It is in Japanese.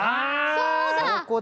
そうだ！